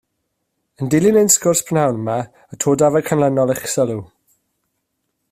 Yn dilyn ein sgwrs prynhawn yma, atodaf y canlynol i'ch sylw